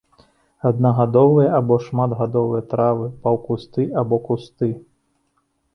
Аднагадовыя або шматгадовыя травы, паўкусты або кусты.